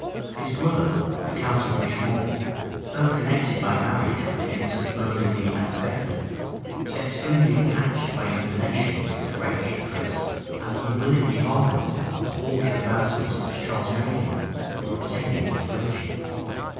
His brother, the count of Richemont, though connected by marriage with the dukes of Burgundy and Bedford, was extremely attached by inclination to the French interest; and he willingly hearkened to all the advances which Charles made him for obtaining his friendship.